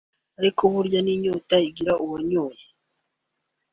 ariko burya n’inyota ugira uwanyoye